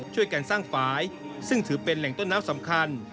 ช่วยกันสร้างฝ่ายซึ่งถือเป็นแหล่งต้นน้ำสำคัญ